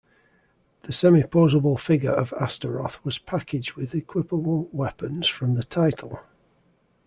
The semi-posable figure of Astaroth was packaged with equipable weapons from the title.